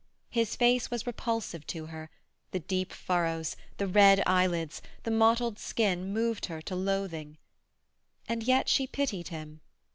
His face was repulsive to her; the deep furrows, the red eyelids, the mottled skin moved her to loathing. And yet she pitied him.